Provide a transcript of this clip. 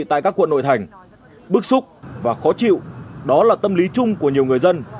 tại các quận nội thành bức xúc và khó chịu đó là tâm lý chung của nhiều người dân